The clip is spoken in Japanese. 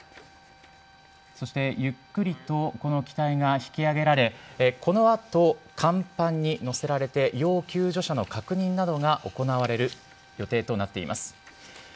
そしてゆっくりと、この機体が引き揚げられ、このあと、甲板に載せられて要救助者の確認などが行われる予定となっています。